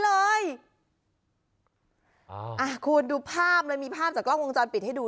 คุณดูภาพเลยมีภาพจากกล้องวงจรปิดให้ดู